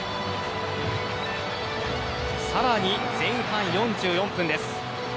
さらに前半４４分です。